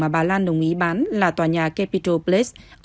bà lan cũng phủ nhận việc